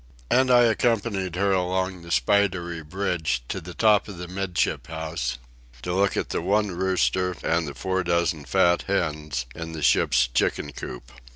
And I accompanied her along the spidery bridge to the top of the 'midship house, to look at the one rooster and the four dozen fat hens in the ship's chicken coop.